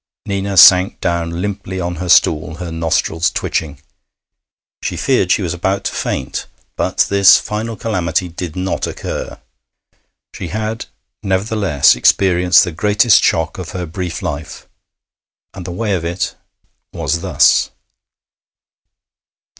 Nina sank down limply on her stool, her nostrils twitching; she feared she was about to faint, but this final calamity did not occur. She had, nevertheless, experienced the greatest shock of her brief life, and the way of it was thus.